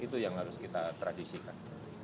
itu yang harus kita tradisikan